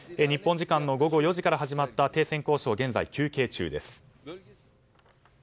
日本時間の午後４時から始まった停戦交渉は現在、休憩中です。